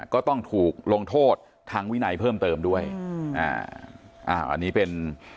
ก็ต้องถูกลงโทษทางวินัยเพิ่มเติมด้วยอืมอ่าอ่าอันนี้เป็น